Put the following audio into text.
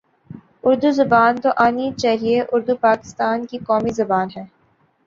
اردو زبان تو آنی چاہیے اردو پاکستان کی قومی زبان ہے